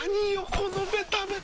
このベタベタ。